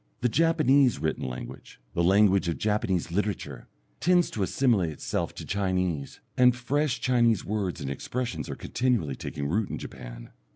The Japanese written language, the language of Japanese literature, tends to assimilate itself to Chinese, and fresh Chinese words and expressions are continually taking root in Japan.